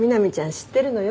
知ってるのよ。